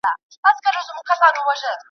څنګه د بورا د سینې اور وینو.